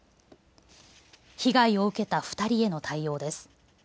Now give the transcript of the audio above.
被害を受けた２人への対応です。